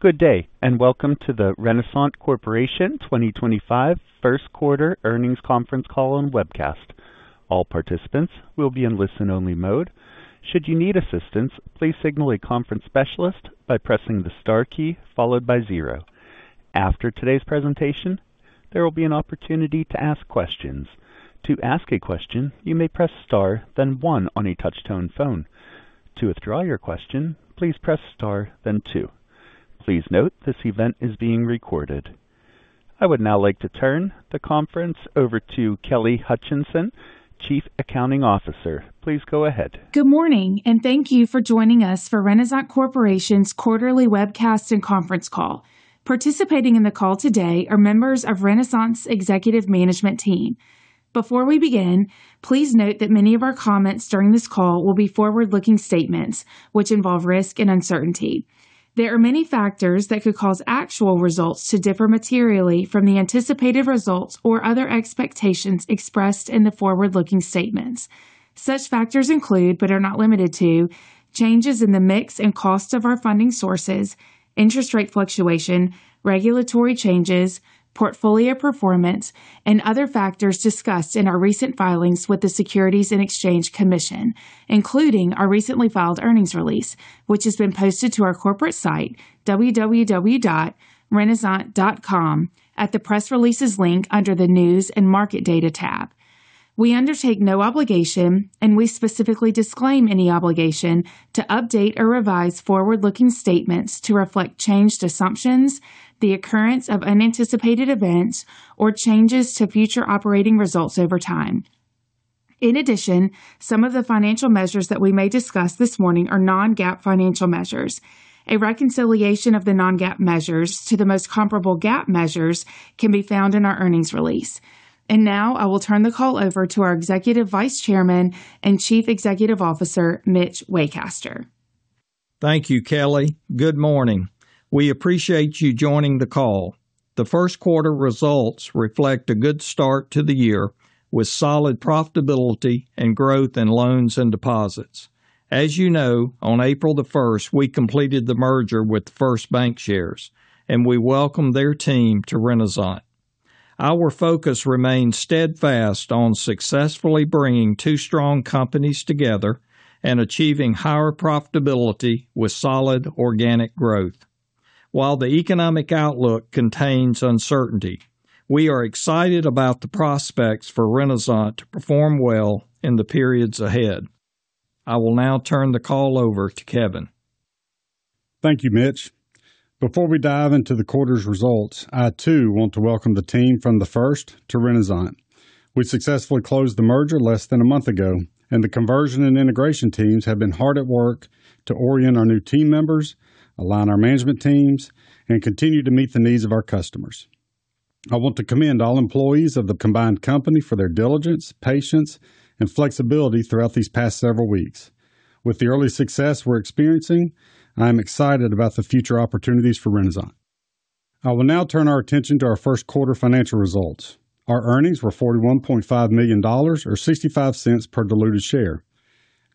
Good day, and welcome to the Renasant Corporation 2025 First Quarter Earnings Conference Call and Webcast. All participants will be in listen-only mode. Should you need assistance, please signal a conference specialist by pressing the star key followed by zero. After today's presentation, there will be an opportunity to ask questions. To ask a question, you may press star, then one on a touch-tone phone. To withdraw your question, please press star, then two. Please note this event is being recorded. I would now like to turn the conference over to Kelly Hutcheson, Chief Accounting Officer. Please go ahead. Good morning, and thank you for joining us for Renasant Corporation's Quarterly Webcast and Conference Call. Participating in the call today are members of Renasant's executive management team. Before we begin, please note that many of our comments during this call will be forward-looking statements, which involve risk and uncertainty. There are many factors that could cause actual results to differ materially from the anticipated results or other expectations expressed in the forward-looking statements. Such factors include, but are not limited to, changes in the mix and cost of our funding sources, interest rate fluctuation, regulatory changes, portfolio performance, and other factors discussed in our recent filings with the Securities and Exchange Commission, including our recently filed earnings release, which has been posted to our corporate site, www.renasant.com, at the press releases link under the News and Market Data tab. We undertake no obligation, and we specifically disclaim any obligation to update or revise forward-looking statements to reflect changed assumptions, the occurrence of unanticipated events, or changes to future operating results over time. In addition, some of the financial measures that we may discuss this morning are non-GAAP financial measures. A reconciliation of the non-GAAP measures to the most comparable GAAP measures can be found in our earnings release. I will now turn the call over to our Executive Vice Chairman and Chief Executive Officer, Mitch Waycaster. Thank you, Kelly. Good morning. We appreciate you joining the call. The first quarter results reflect a good start to the year with solid profitability and growth in loans and deposits. As you know, on April the 1st, we completed the merger with First Bancshares, and we welcome their team to Renasant. Our focus remains steadfast on successfully bringing two strong companies together and achieving higher profitability with solid organic growth. While the economic outlook contains uncertainty, we are excited about the prospects for Renasant to perform well in the periods ahead. I will now turn the call over to Kevin. Thank you, Mitch. Before we dive into the quarter's results, I too want to welcome the team from The First to Renasant. We successfully closed the merger less than a month ago, and the conversion and integration teams have been hard at work to orient our new team members, align our management teams, and continue to meet the needs of our customers. I want to commend all employees of the combined company for their diligence, patience, and flexibility throughout these past several weeks. With the early success we're experiencing, I am excited about the future opportunities for Renasant. I will now turn our attention to our first quarter financial results. Our earnings were $41.5 million, or $0.65 per diluted share.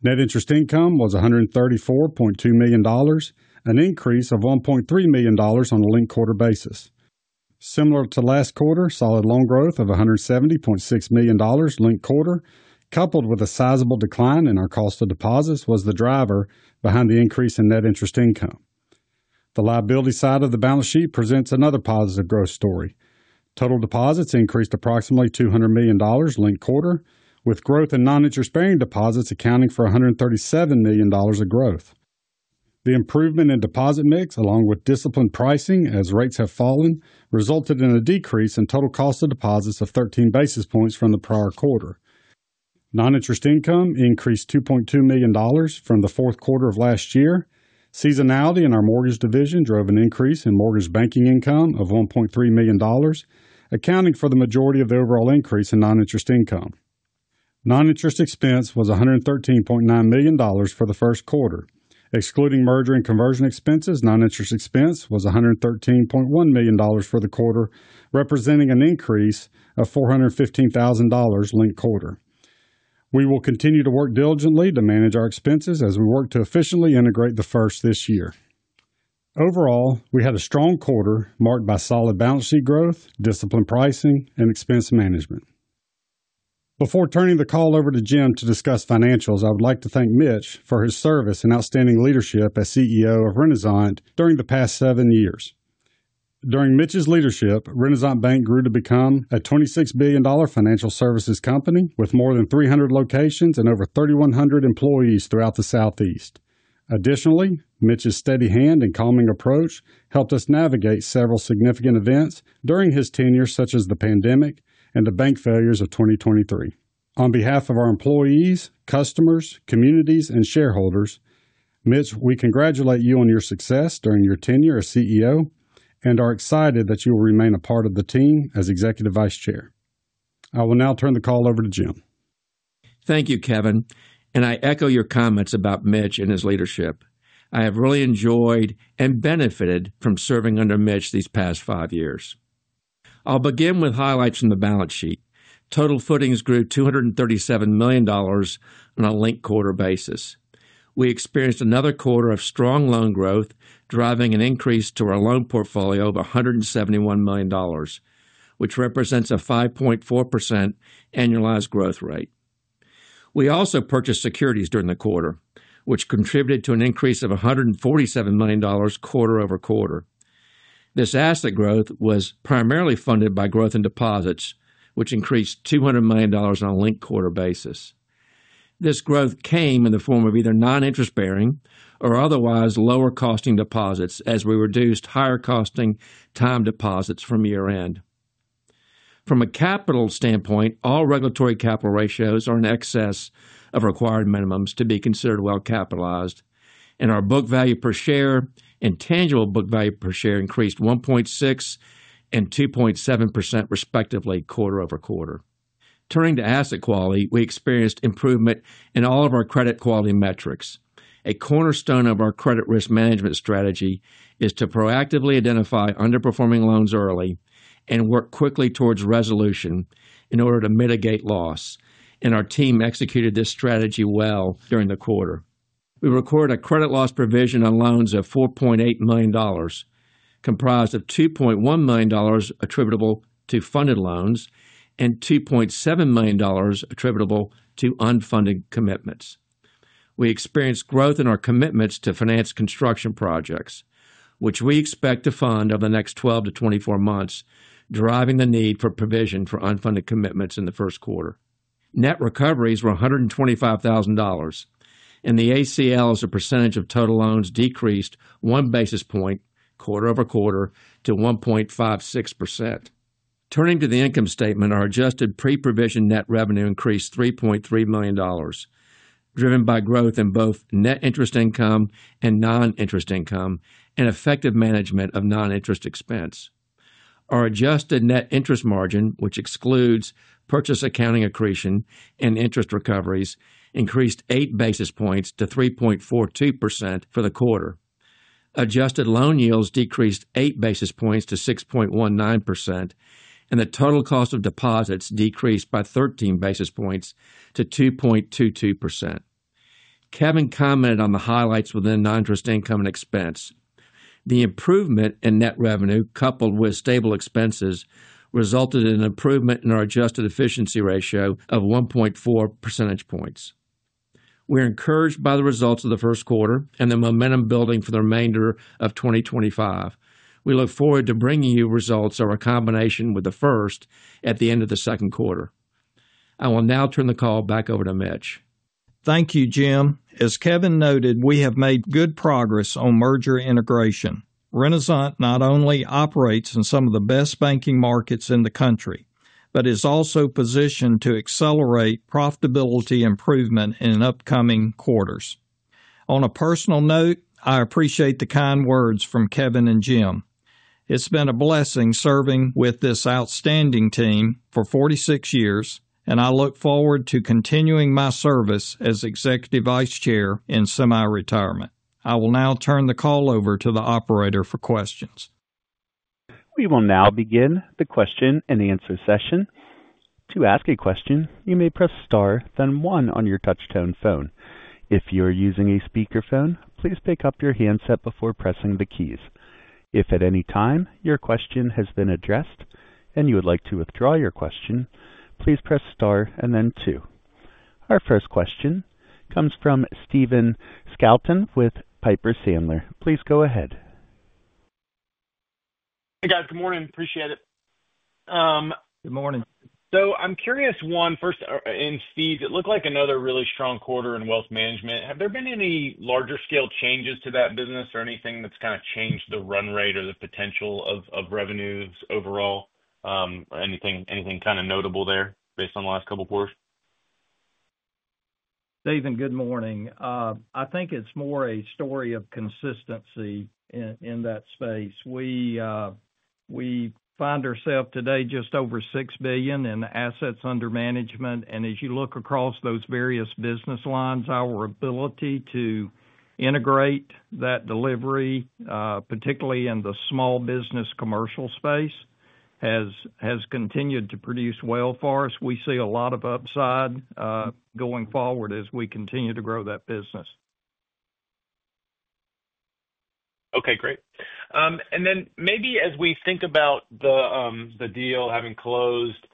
Net interest income was $134.2 million, an increase of $1.3 million on a linked quarter basis. Similar to last quarter, solid loan growth of $170.6 million linked quarter, coupled with a sizable decline in our cost of deposits, was the driver behind the increase in net interest income. The liability side of the balance sheet presents another positive growth story. Total deposits increased approximately $200 million linked quarter, with growth in non-interest-bearing deposits accounting for $137 million of growth. The improvement in deposit mix, along with disciplined pricing as rates have fallen, resulted in a decrease in total cost of deposits of 13 basis points from the prior quarter. Non-interest income increased $2.2 million from the fourth quarter of last year. Seasonality in our mortgage division drove an increase in mortgage banking income of $1.3 million, accounting for the majority of the overall increase in non-interest income. Non-interest expense was $113.9 million for the first quarter. Excluding merger and conversion expenses, non-interest expense was $113.1 million for the quarter, representing an increase of $415,000 linked quarter. We will continue to work diligently to manage our expenses as we work to efficiently integrate The First this year. Overall, we had a strong quarter marked by solid balance sheet growth, disciplined pricing, and expense management. Before turning the call over to Jim to discuss financials, I would like to thank Mitch for his service and outstanding leadership as CEO of Renasant during the past seven years. During Mitch's leadership, Renasant Bank grew to become a $26 billion financial services company with more than 300 locations and over 3,100 employees throughout the Southeast. Additionally, Mitch's steady hand and calming approach helped us navigate several significant events during his tenure, such as the pandemic and the bank failures of 2023. On behalf of our employees, customers, communities, and shareholders, Mitch, we congratulate you on your success during your tenure as CEO and are excited that you will remain a part of the team as Executive Vice Chair. I will now turn the call over to Jim. Thank you, Kevin. I echo your comments about Mitch and his leadership. I have really enjoyed and benefited from serving under Mitch these past five years. I'll begin with highlights from the balance sheet. Total footings grew $237 million on a linked quarter basis. We experienced another quarter of strong loan growth, driving an increase to our loan portfolio of $171 million, which represents a 5.4% annualized growth rate. We also purchased securities during the quarter, which contributed to an increase of $147 million quarter-over-quarter. This asset growth was primarily funded by growth in deposits, which increased $200 million on a linked quarter basis. This growth came in the form of either non-interest-bearing or otherwise lower-costing deposits as we reduced higher-costing time deposits from year-end. From a capital standpoint, all regulatory capital ratios are in excess of required minimums to be considered well-capitalized, and our book value per share and tangible book value per share increased 1.6% and 2.7% respectively quarter-over-quarter. Turning to asset quality, we experienced improvement in all of our credit quality metrics. A cornerstone of our credit risk management strategy is to proactively identify underperforming loans early and work quickly towards resolution in order to mitigate loss, and our team executed this strategy well during the quarter. We recorded a credit loss provision on loans of $4.8 million, comprised of $2.1 million attributable to funded loans and $2.7 million attributable to unfunded commitments. We experienced growth in our commitments to finance construction projects, which we expect to fund over the next 12-24 months, driving the need for provision for unfunded commitments in the first quarter. Net recoveries were $125,000, and the ACL as a percentage of total loans decreased one basis point quarter-over-quarter to 1.56%. Turning to the income statement, our adjusted pre-provision net revenue increased $3.3 million, driven by growth in both net interest income and non-interest income and effective management of non-interest expense. Our adjusted net interest margin, which excludes purchase accounting accretion and interest recoveries, increased eight basis points to 3.42% for the quarter. Adjusted loan yields decreased eight basis points to 6.19%, and the total cost of deposits decreased by 13 basis points to 2.22%. Kevin commented on the highlights within non-interest income and expense. The improvement in net revenue, coupled with stable expenses, resulted in an improvement in our adjusted efficiency ratio of 1.4 percentage points. We're encouraged by the results of the first quarter and the momentum building for the remainder of 2025. We look forward to bringing you results of our combination with The First at the end of the second quarter. I will now turn the call back over to Mitch. Thank you, Jim. As Kevin noted, we have made good progress on merger integration. Renasant not only operates in some of the best banking markets in the country, but is also positioned to accelerate profitability improvement in upcoming quarters. On a personal note, I appreciate the kind words from Kevin and Jim. It's been a blessing serving with this outstanding team for 46 years, and I look forward to continuing my service as Executive Vice Chair in semi-retirement. I will now turn the call over to the operator for questions. We will now begin the question and answer session. To ask a question, you may press star, then one on your touch-tone phone. If you are using a speakerphone, please pick up your handset before pressing the keys. If at any time your question has been addressed and you would like to withdraw your question, please press star and then two. Our first question comes from Stephen Scouten with Piper Sandler. Please go ahead. Hey, guys. Good morning. Appreciate it. Good morning. I'm curious, one, first, in fees, it looked like another really strong quarter in Wealth Management. Have there been any larger-scale changes to that business or anything that's kind of changed the run rate or the potential of revenues overall? Anything kind of notable there based on the last couple of quarters? Stephen, good morning. I think it's more a story of consistency in that space. We find ourselves today just over $6 billion in assets under management. As you look across those various business lines, our ability to integrate that delivery, particularly in the small business commercial space, has continued to produce well for us. We see a lot of upside going forward as we continue to grow that business. Okay, great. Maybe as we think about the deal having closed,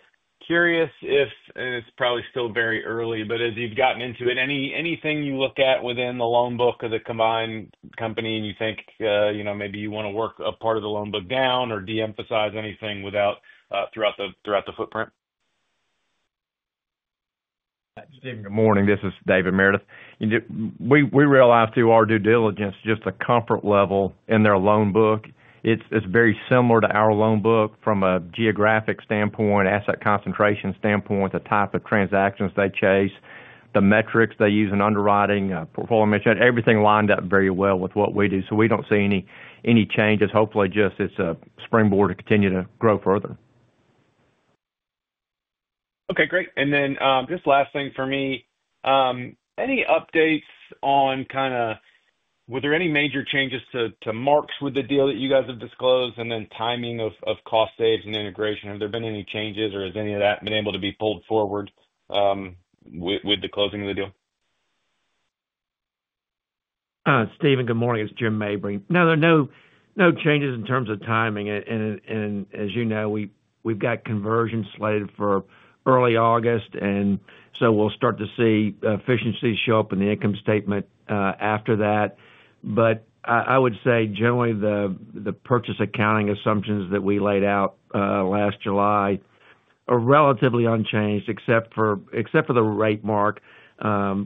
curious if, and it's probably still very early, but as you've gotten into it, anything you look at within the loan book of the combined company and you think maybe you want to work a part of the loan book down or de-emphasize anything throughout the footprint? Stephen, good morning. This is David Meredith. We realize through our due diligence just the comfort level in their loan book. It's very similar to our loan book from a geographic standpoint, asset concentration standpoint, the type of transactions they chase, the metrics they use in underwriting, portfolio management, everything lined up very well with what we do. We don't see any changes. Hopefully, just it's a springboard to continue to grow further. Okay, great. And then just last thing for me, any updates on kind of were there any major changes to marks with the deal that you guys have disclosed, and then timing of cost saves and integration? Have there been any changes or has any of that been able to be pulled forward with the closing of the deal? Stephen, good morning. It's Jim Mabry. No, there are no changes in terms of timing. As you know, we've got conversion slated for early August, and we will start to see efficiencies show up in the income statement after that. I would say generally the purchase accounting assumptions that we laid out last July are relatively unchanged except for the rate mark.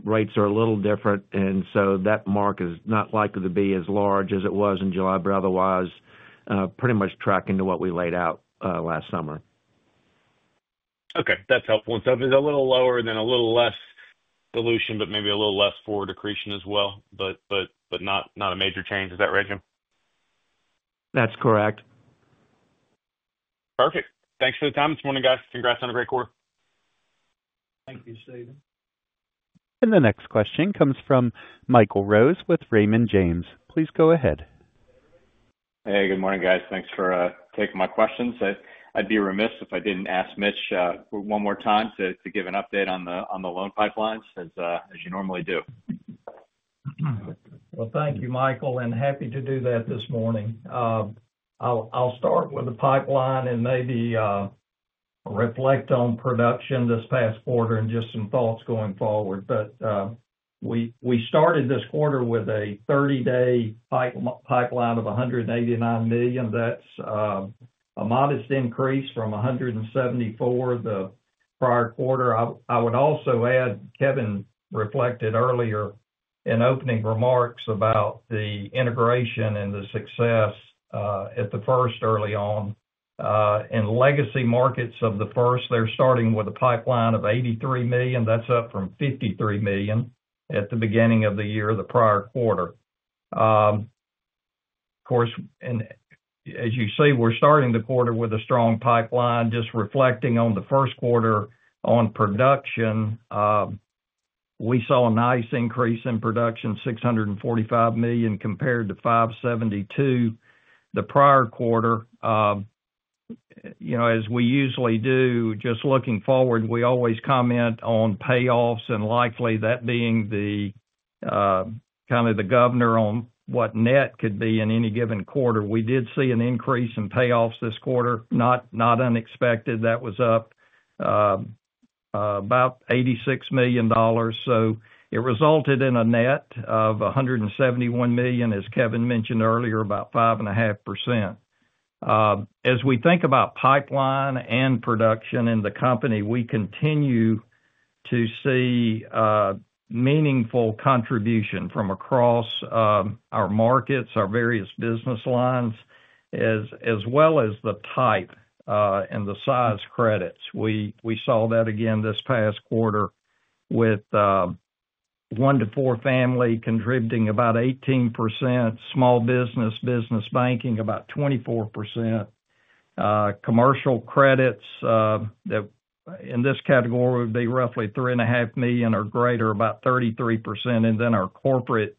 Rates are a little different, and that mark is not likely to be as large as it was in July, but otherwise pretty much tracking to what we laid out last summer. Okay, that's helpful. If it's a little lower, then a little less dilution, but maybe a little less forward accretion as well, but not a major change. Is that right, Jim? That's correct. Perfect. Thanks for the time this morning, guys. Congrats on a great quarter. Thank you, Stephen. The next question comes from Michael Rose with Raymond James. Please go ahead. Hey, good morning, guys. Thanks for taking my questions. I'd be remiss if I didn't ask Mitch one more time to give an update on the loan pipelines as you normally do. Thank you, Michael, and happy to do that this morning. I'll start with the pipeline and maybe reflect on production this past quarter and just some thoughts going forward. We started this quarter with a 30-day pipeline of $189 million. That's a modest increase from $174 million the prior quarter. I would also add, Kevin reflected earlier in opening remarks about the integration and the success at The First early on. In legacy markets of The First, they're starting with a pipeline of $83 million. That's up from $53 million at the beginning of the year the prior quarter. Of course, as you see, we're starting the quarter with a strong pipeline. Just reflecting on the first quarter on production, we saw a nice increase in production, $645 million compared to $572 million the prior quarter. As we usually do, just looking forward, we always comment on payoffs and likely that being kind of the governor on what net could be in any given quarter. We did see an increase in payoffs this quarter, not unexpected. That was up about $86 million. It resulted in a net of $171 million, as Kevin mentioned earlier, about 5.5%. As we think about pipeline and production in the company, we continue to see meaningful contribution from across our markets, our various business lines, as well as the type and the size credits. We saw that again this past quarter with one to four family contributing about 18%, small business, business banking about 24%, commercial credits that in this category would be roughly $3.5 million or greater, about 33%, and then our corporate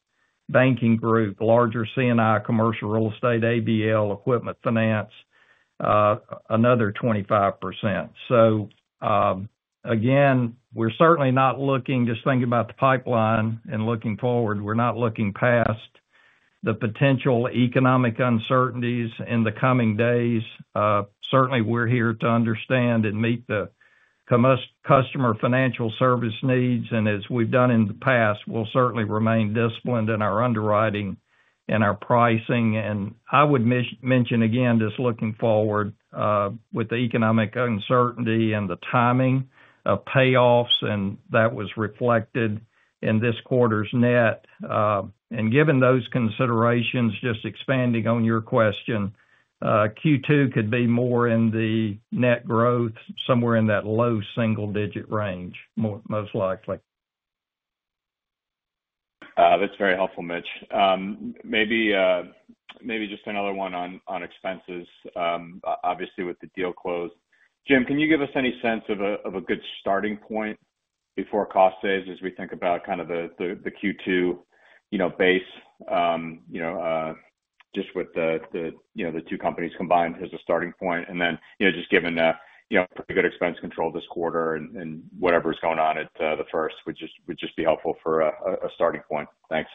banking group, larger C&I, commercial real estate, ABL, equipment finance, another 25%. We're certainly not looking just thinking about the pipeline and looking forward. We're not looking past the potential economic uncertainties in the coming days. Certainly, we're here to understand and meet the customer financial service needs. As we've done in the past, we'll certainly remain disciplined in our underwriting and our pricing. I would mention again, just looking forward with the economic uncertainty and the timing of payoffs, and that was reflected in this quarter's net. Given those considerations, just expanding on your question, Q2 could be more in the net growth, somewhere in that low single-digit range, most likely. That's very helpful, Mitch. Maybe just another one on expenses, obviously with the deal closed. Jim, can you give us any sense of a good starting point before cost saves as we think about kind of the Q2 base just with the two companies combined as a starting point? Just given pretty good expense control this quarter and whatever's going on at The First, would just be helpful for a starting point. Thanks.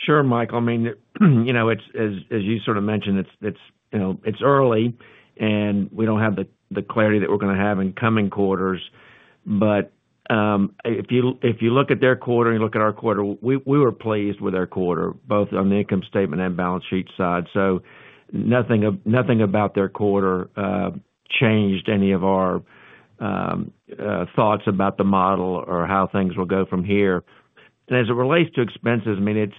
Sure, Michael. I mean, as you sort of mentioned, it's early, and we don't have the clarity that we're going to have in coming quarters. If you look at their quarter and you look at our quarter, we were pleased with our quarter, both on the income statement and balance sheet side. Nothing about their quarter changed any of our thoughts about the model or how things will go from here. As it relates to expenses, I mean, it's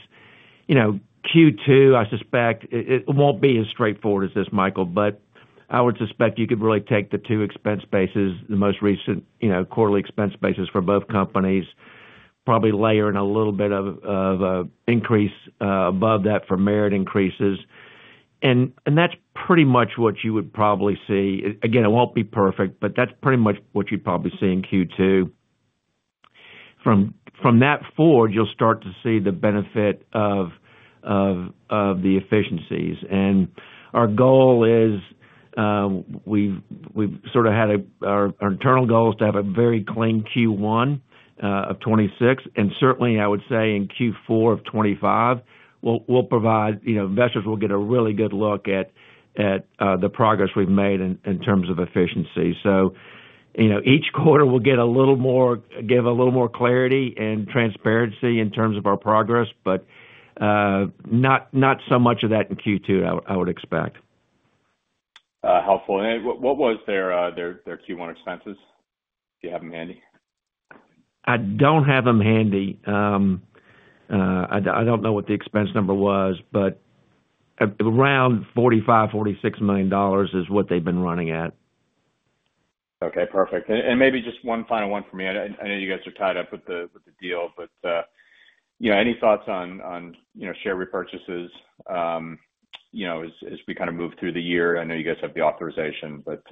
Q2, I suspect it won't be as straightforward as this, Michael, but I would suspect you could really take the two expense bases, the most recent quarterly expense basis for both companies, probably layer in a little bit of increase above that for merit increases. That's pretty much what you would probably see. Again, it won't be perfect, but that's pretty much what you'd probably see in Q2. From that forward, you'll start to see the benefit of the efficiencies. Our goal is we've sort of had our internal goal is to have a very clean Q1 of 2026. Certainly, I would say in Q4 of 2025, we'll provide investors will get a really good look at the progress we've made in terms of efficiency. Each quarter we'll get a little more, give a little more clarity and transparency in terms of our progress, but not so much of that in Q2, I would expect. Helpful. What was their Q1 expenses? Do you have them handy? I don't have them handy. I don't know what the expense number was, but around $45million-$46 million is what they've been running at. Okay, perfect. Maybe just one final one for me. I know you guys are tied up with the deal, but any thoughts on share repurchases as we kind of move through the year? I know you guys have the authorization, but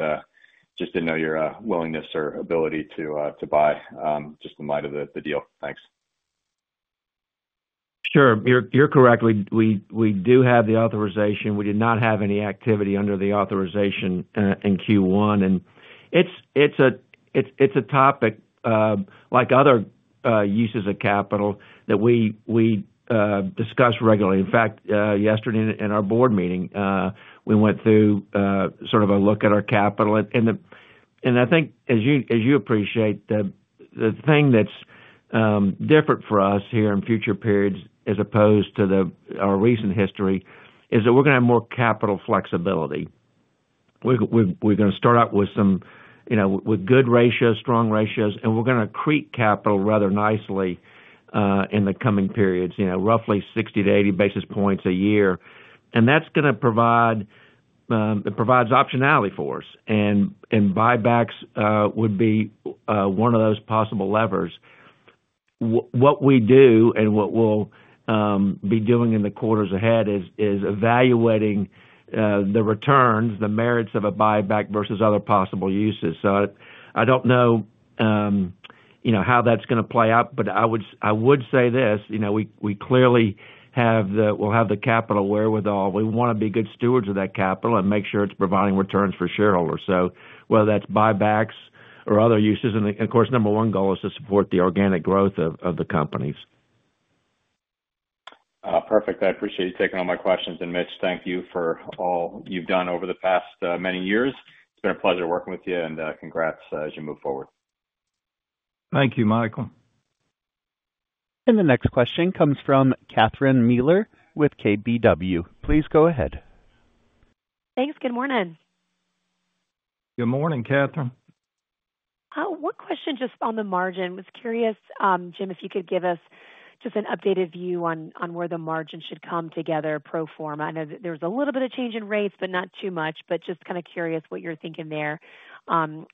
just didn't know your willingness or ability to buy just in light of the deal. Thanks. Sure. You're correct. We do have the authorization. We did not have any activity under the authorization in Q1. It's a topic like other uses of capital that we discuss regularly. In fact, yesterday in our board meeting, we went through sort of a look at our capital. I think, as you appreciate, the thing that's different for us here in future periods as opposed to our recent history is that we're going to have more capital flexibility. We're going to start out with good ratios, strong ratios, and we're going to accrete capital rather nicely in the coming periods, roughly 60-80 basis points a year. That's going to provide optionality for us. Buybacks would be one of those possible levers. What we do and what we'll be doing in the quarters ahead is evaluating the returns, the merits of a buyback versus other possible uses. I don't know how that's going to play out, but I would say this. We clearly will have the capital wherewithal. We want to be good stewards of that capital and make sure it's providing returns for shareholders. Whether that's buybacks or other uses. Of course, number one goal is to support the organic growth of the companies. Perfect. I appreciate you taking all my questions. Mitch, thank you for all you've done over the past many years. It's been a pleasure working with you, and congrats as you move forward. Thank you, Michael. The next question comes from Catherine Mealor with KBW. Please go ahead. Thanks. Good morning. Good morning, Catherine. What question just on the margin? Was curious, Jim, if you could give us just an updated view on where the margin should come together pro forma. I know there was a little bit of change in rates, but not too much, but just kind of curious what you're thinking there,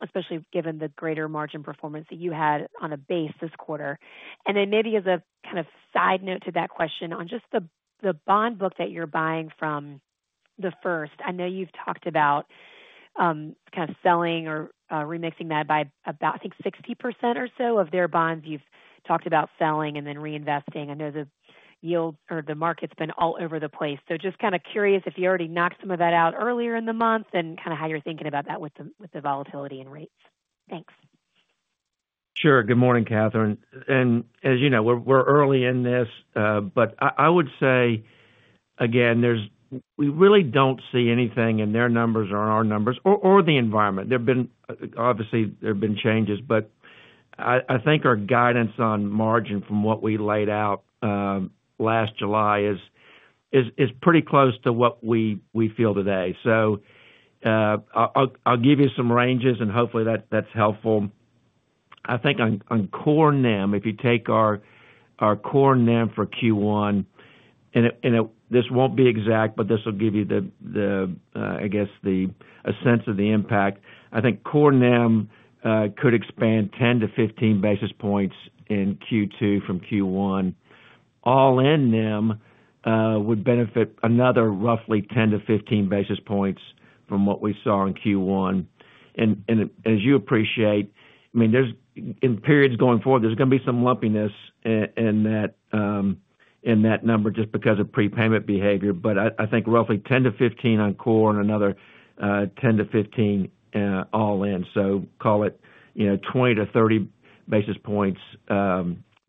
especially given the greater margin performance that you had on a base this quarter. Maybe as a kind of side note to that question on just the bond book that you're buying from The First, I know you've talked about kind of selling or remixing that by about, I think, 60% or so of their bonds. You've talked about selling and then reinvesting. I know the yield or the market's been all over the place. Just kind of curious if you already knocked some of that out earlier in the month and kind of how you're thinking about that with the volatility in rates. Thanks. Sure. Good morning, Catherine. As you know, we're early in this, but I would say, again, we really don't see anything in their numbers or in our numbers or the environment. Obviously, there have been changes, but I think our guidance on margin from what we laid out last July is pretty close to what we feel today. I'll give you some ranges, and hopefully, that's helpful. I think on core NIM, if you take our core NIM for Q1, and this won't be exact, but this will give you, I guess, a sense of the impact. I think core NIM could expand 10-15 basis points in Q2 from Q1. All-in NIM would benefit another roughly 10-15 basis points from what we saw in Q1. As you appreciate, I mean, in periods going forward, there's going to be some lumpiness in that number just because of prepayment behavior. I think roughly 10-15 on core and another 10-15 all-in. Call it 20-30 basis points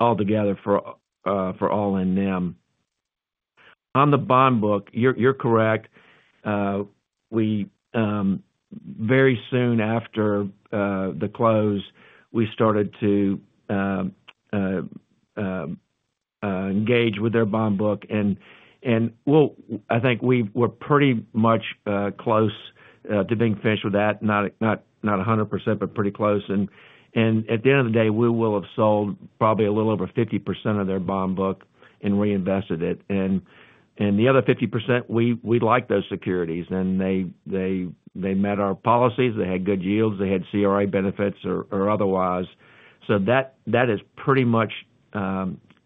altogether for all-in NIM. On the bond book, you're correct. Very soon after the close, we started to engage with their bond book. I think we were pretty much close to being finished with that, not 100%, but pretty close. At the end of the day, we will have sold probably a little over 50% of their bond book and reinvested it. The other 50%, we like those securities, and they met our policies. They had good yields. They had CRA benefits or otherwise. That is pretty much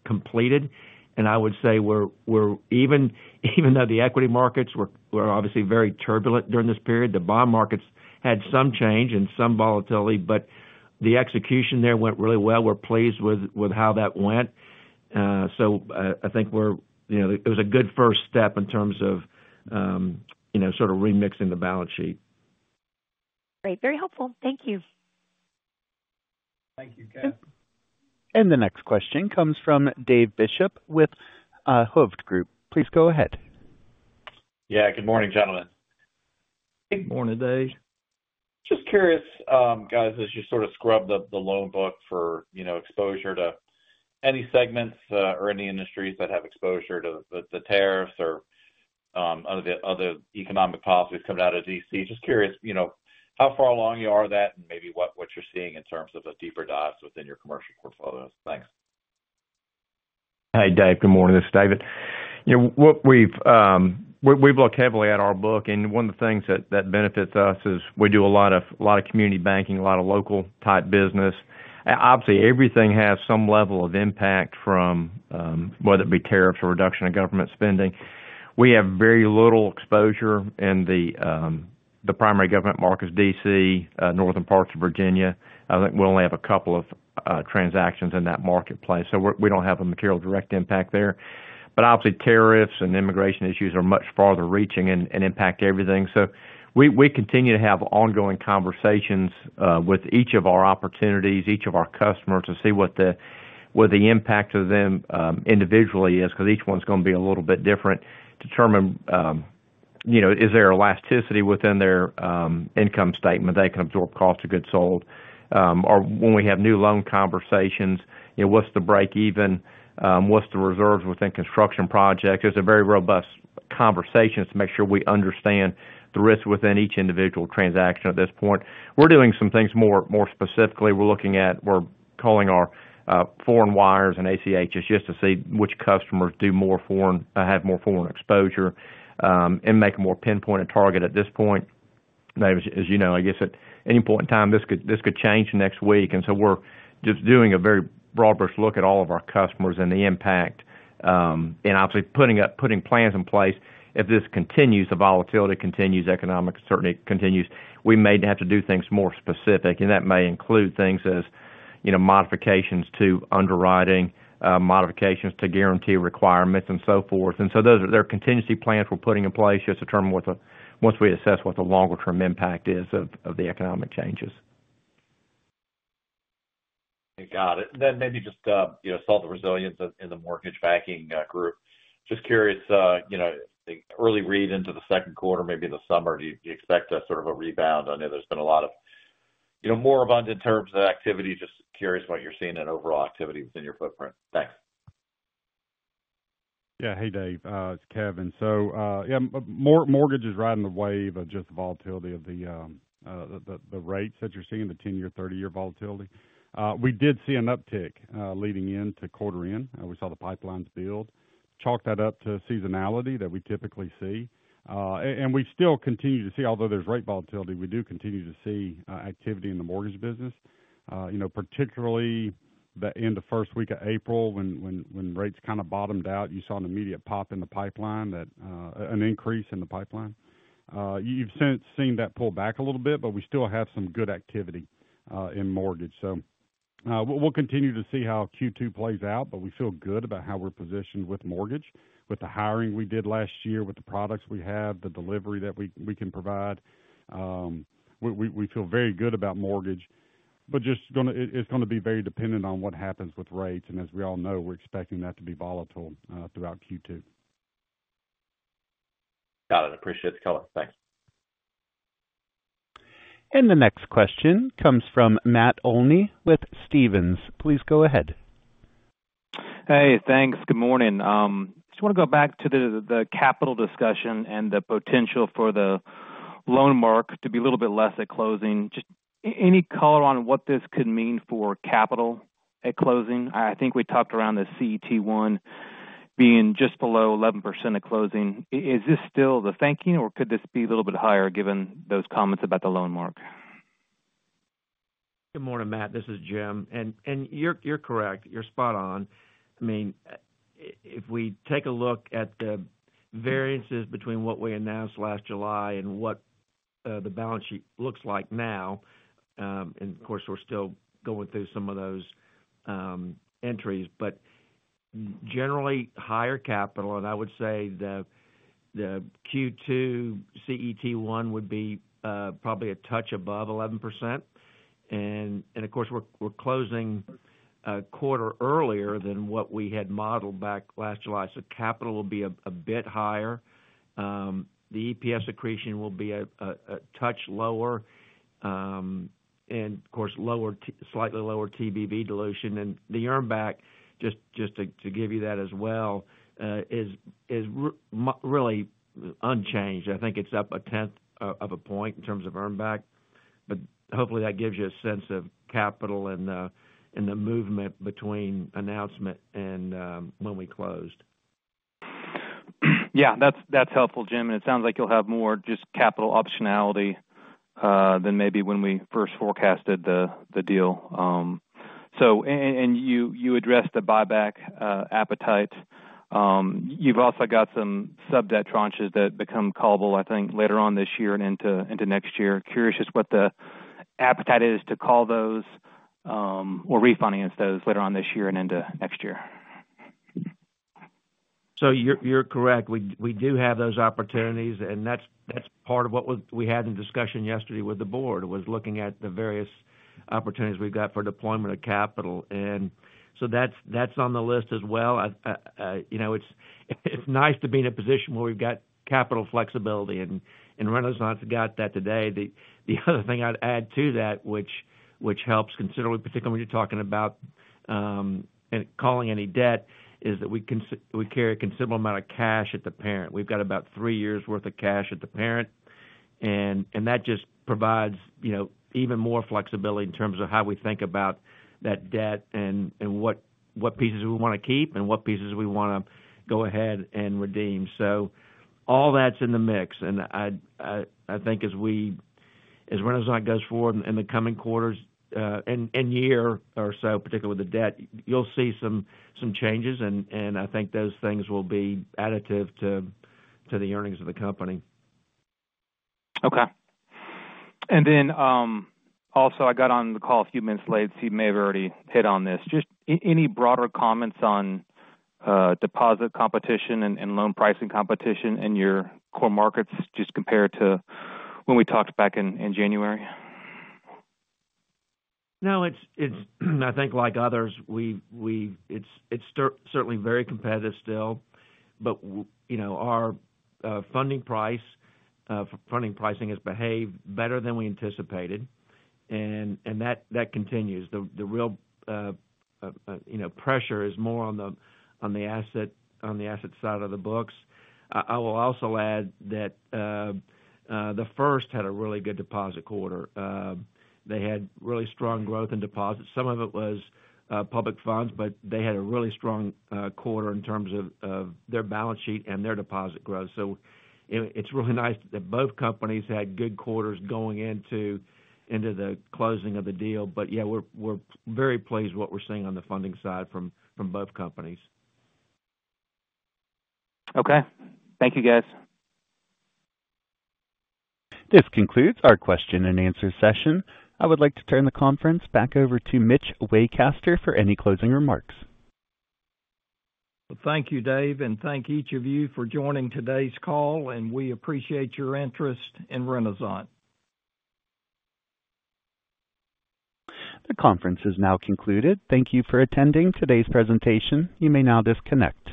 completed. I would say, even though the equity markets were obviously very turbulent during this period, the bond markets had some change and some volatility, but the execution there went really well. We are pleased with how that went. I think it was a good first step in terms of sort of remixing the balance sheet. Great. Very helpful. Thank you. The next question comes from Dave Bishop with Hovde Group. Please go ahead. Yeah. Good morning, gentlemen. Good morning, Dave. Just curious, guys, as you sort of scrub the loan book for exposure to any segments or any industries that have exposure to the tariffs or other economic policies coming out of D.C., just curious how far along you are with that and maybe what you're seeing in terms of a deeper dive within your commercial portfolios. Thanks. Hey, Dave. Good morning. This is David. We've looked heavily at our book, and one of the things that benefits us is we do a lot of community banking, a lot of local-type business. Obviously, everything has some level of impact from whether it be tariffs or reduction of government spending. We have very little exposure in the primary government markets, D.C., northern parts of Virginia. I think we only have a couple of transactions in that marketplace. We do not have a material direct impact there. Obviously, tariffs and immigration issues are much farther reaching and impact everything. We continue to have ongoing conversations with each of our opportunities, each of our customers to see what the impact of them individually is because each one's going to be a little bit different to determine is there elasticity within their income statement that they can absorb cost of goods sold. Or when we have new loan conversations, what's the break-even? What's the reserves within construction projects? There's a very robust conversation to make sure we understand the risk within each individual transaction at this point. We're doing some things more specifically. We're calling our foreign wires and ACHs just to see which customers have more foreign exposure and make a more pinpointed target at this point. As you know, I guess at any point in time, this could change next week. We're just doing a very broad-brush look at all of our customers and the impact. Obviously, putting plans in place, if this continues, the volatility continues, economics certainly continues, we may have to do things more specific. That may include things as modifications to underwriting, modifications to guarantee requirements, and so forth. There are contingency plans we're putting in place just to determine once we assess what the longer-term impact is of the economic changes. Got it. Maybe just to solve the resilience in the mortgage banking group, just curious, early read into the second quarter, maybe in the summer, do you expect sort of a rebound? I know there's been a lot more abundant terms of activity. Just curious what you're seeing in overall activity within your footprint. Thanks. Yeah. Hey, Dave. It's Kevin. Yeah, mortgage is riding the wave of just the volatility of the rates that you're seeing, the 10-year, 30-year volatility. We did see an uptick leading into quarter end. We saw the pipelines build, chalk that up to seasonality that we typically see. We still continue to see, although there's rate volatility, we do continue to see activity in the mortgage business, particularly the end of first week of April when rates kind of bottomed out. You saw an immediate pop in the pipeline, an increase in the pipeline. You've since seen that pull back a little bit, but we still have some good activity in mortgage. We will continue to see how Q2 plays out, but we feel good about how we're positioned with mortgage, with the hiring we did last year, with the products we have, the delivery that we can provide. We feel very good about mortgage, but it's going to be very dependent on what happens with rates. As we all know, we're expecting that to be volatile throughout Q2. Got it. Appreciate the color. Thanks. The next question comes from Matt Olney with Stephens. Please go ahead. Hey, thanks. Good morning. Just want to go back to the capital discussion and the potential for the loan mark to be a little bit less at closing. Just any color on what this could mean for capital at closing? I think we talked around the CET1 being just below 11% at closing. Is this still the thinking, or could this be a little bit higher given those comments about the loan mark? Good morning, Matt. This is Jim. And you're correct. You're spot on. I mean, if we take a look at the variances between what we announced last July and what the balance sheet looks like now, and of course, we're still going through some of those entries, but generally higher capital, and I would say the Q2 CET1 would be probably a touch above 11%. And of course, we're closing a quarter earlier than what we had modeled back last July. So capital will be a bit higher. The EPS accretion will be a touch lower. And of course, slightly lower TBV dilution. And the earnback, just to give you that as well, is really unchanged. I think it's up a tenth of a point in terms of earnback. But hopefully, that gives you a sense of capital and the movement between announcement and when we closed. Yeah. That's helpful, Jim. It sounds like you'll have more just capital optionality than maybe when we first forecasted the deal. You addressed the buyback appetite. You've also got some sub-debt tranches that become callable, I think, later on this year and into next year. Curious just what the appetite is to call those or refinance those later on this year and into next year. You're correct. We do have those opportunities. That's part of what we had in discussion yesterday with the board, looking at the various opportunities we've got for deployment of capital. That's on the list as well. It's nice to be in a position where we've got capital flexibility. Renasant's got that today. The other thing I'd add to that, which helps considerably, particularly when you're talking about calling any debt, is that we carry a considerable amount of cash at the parent. We've got about three years' worth of cash at the parent. That just provides even more flexibility in terms of how we think about that debt and what pieces we want to keep and what pieces we want to go ahead and redeem. All that's in the mix. I think as Renasant goes forward in the coming quarters and year or so, particularly with the debt, you'll see some changes. I think those things will be additive to the earnings of the company. Okay. Also, I got on the call a few minutes late. Steve may have already hit on this. Just any broader comments on deposit competition and loan pricing competition in your core markets just compared to when we talked back in January? No. I think like others, it's certainly very competitive still. Our funding pricing has behaved better than we anticipated. That continues. The real pressure is more on the asset side of the books. I will also add that The First had a really good deposit quarter. They had really strong growth in deposits. Some of it was public funds, but they had a really strong quarter in terms of their balance sheet and their deposit growth. It is really nice that both companies had good quarters going into the closing of the deal. Yeah, we're very pleased with what we're seeing on the funding side from both companies. Okay. Thank you, guys. This concludes our question and answer session. I would like to turn the conference back over to Mitch Waycaster for any closing remarks. Thank you, Dave. Thank each of you for joining today's call. We appreciate your interest in Renasant. The conference is now concluded. Thank you for attending today's presentation. You may now disconnect.